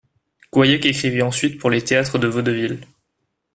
Couailhac écrivit ensuite pour les théâtres de vaudeville.